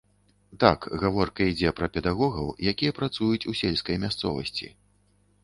Так, гаворка ідзе пра педагогаў, якія працуюць у сельскай мясцовасці.